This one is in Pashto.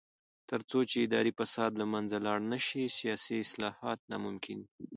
تر څو چې اداري فساد له منځه لاړ نشي، سیاسي اصلاحات ناممکن دي.